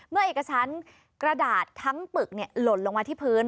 เมื่อเอกชั้นกระดาษทั้งปึกหล่นลงมาที่พื้น